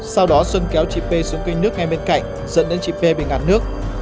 sau đó xuân kéo chị p xuống cây nước ngay bên cạnh dẫn đến chị p bị ngạt nước